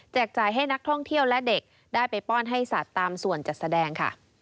จ่ายให้นักท่องเที่ยวและเด็กได้ไปป้อนให้สัตว์ตามส่วนจัดแสดงค่ะ